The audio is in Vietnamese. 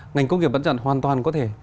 ngành công nghiệp bán dẫn hoàn toàn có thể